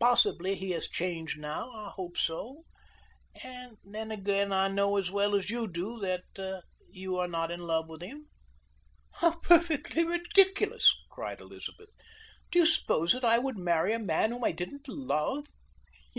Possibly he has changed now. I hope so. And then again I know as well as you do that you are not in love with him." "How perfectly ridiculous!" cried Elizabeth. "Do you suppose that I would marry a man whom I didn't love?"